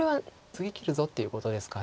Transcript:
次切るぞっていうことですか。